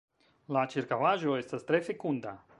La ĉirkaŭaĵo estas tre fekunda.